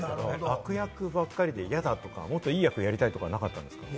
悪役ばかりで嫌だとか、もっといい役したいっていうのはなかったんですか？